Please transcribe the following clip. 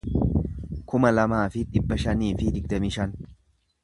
kuma lamaa fi dhibba shanii fi digdamii shan